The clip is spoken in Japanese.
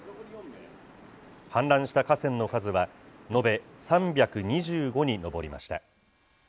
氾濫した河川の数は、延べ３２５に上りました。